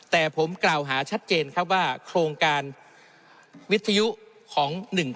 แต่ผมกล่าวหาชัดเจนครับว่าโครงการวิทยุของ๑๙